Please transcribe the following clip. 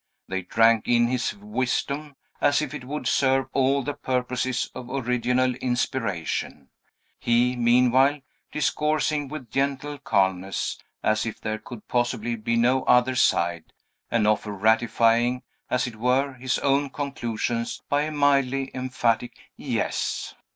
They drank in his wisdom, as if it would serve all the purposes of original inspiration; he, meanwhile, discoursing with gentle calmness, as if there could possibly be no other side, and often ratifying, as it were, his own conclusions by a mildly emphatic "Yes."